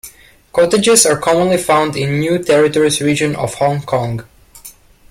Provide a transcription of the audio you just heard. Cottages are commonly found in the New Territories region of Hong Kong.